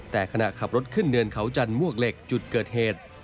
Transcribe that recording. แต่ขณะขับรถขึ้นเนินเขาจันทมวกเหล็กจุดเกิดเหตุ